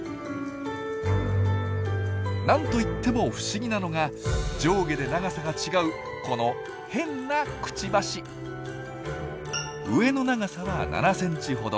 なんといっても不思議なのが上下で長さが違うこの変なクチバシ！上の長さは７ｃｍほど。